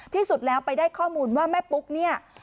ที่สุดแล้วไปได้ข้อมูลว่าแม่ปุ๊กเนี่ย